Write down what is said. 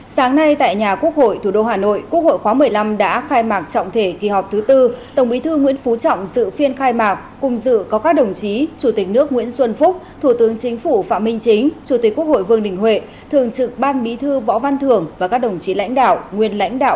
các bạn hãy đăng ký kênh để ủng hộ kênh của chúng mình nhé